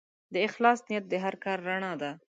د اخلاص نیت د هر کار رڼا ده.